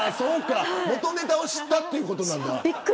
元ネタを知ったっていうことなんだ。